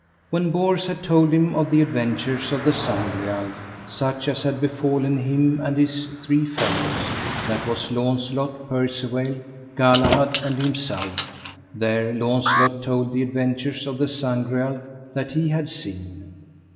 When Bors had told him of the adventures of the Sangreal, such as had befallen him and his three fellows, that was Launcelot, Percivale, Galahad, and himself, there Launcelot told the adventures of the Sangreal that he had seen.